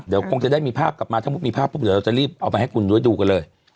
เดี๋ยวคงจะได้มีภาพกลับมาถ้าพบมีภาพแน่นอนจะรีบเอามาให้คุณดูกันเลย